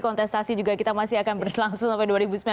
kontestasi juga kita masih akan berlangsung sampai dua ribu sembilan belas